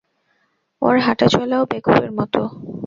এর হাঁটাচলাও বেকুবের মতো।